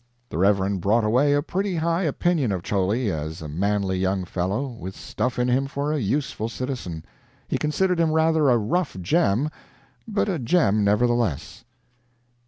The Reverend brought away a pretty high opinion of Cholley as a manly young fellow, with stuff in him for a useful citizen; he considered him rather a rough gem, but a gem, nevertheless.